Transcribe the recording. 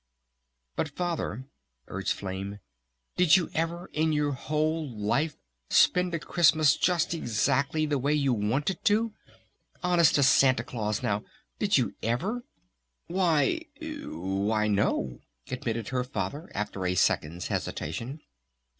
"But Father," urged Flame. "Did you ever in your whole life spend a Christmas just exactly the way you wanted to? Honest to Santa Claus now, did you ever?" "Why Why, no," admitted her Father after a second's hesitation.